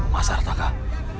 mas arta kak